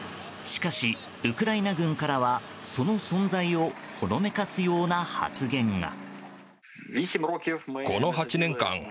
しかし、ウクライナ軍からはその存在をほのめかすような発言が。